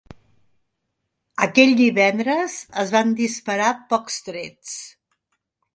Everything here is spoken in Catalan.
Aquell divendres es van disparar pocs trets